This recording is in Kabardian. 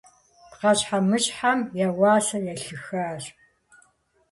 Пхъэщхьэмыщхьэм и уасэр елъыхащ.